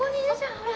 ほら。